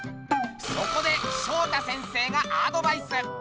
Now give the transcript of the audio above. そこでショウタ先生がアドバイス！